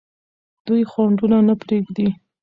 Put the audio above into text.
دوی خنډونه نه پرېږدي.